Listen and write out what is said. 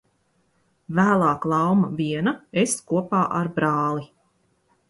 Vēlāk Lauma viena, es kopā ar brāli.